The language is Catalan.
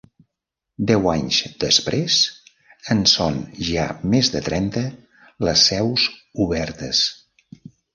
Deu anys després, en són ja més de trenta les seus obertes.